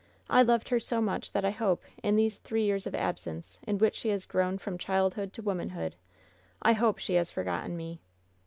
I loved her so much that I hope, in these three years of absence, in which she has grown from childhood to womanhood, I hope she has forgotten me!"